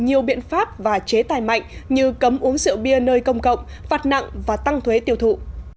nhiều biện pháp và chế tài mạnh như cấm uống rượu bia nơi công cộng phạt nặng và tăng thuế tiêu thụ